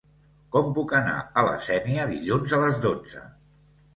Com puc anar a la Sénia dilluns a les dotze?